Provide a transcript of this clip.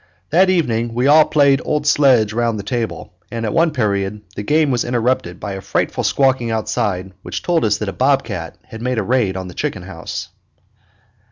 That evening we all played old sledge round the table, and at one period the game was interrupted by a frightful squawking outside which told us that a bobcat had made a raid on the chicken house.